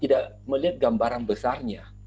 tidak melihat gambaran besarnya